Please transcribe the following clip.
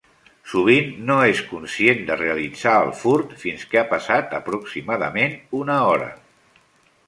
Sovint no és conscient de realitzar el furt fins que ha passat aproximadament una hora.